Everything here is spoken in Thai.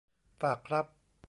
ฝากครับ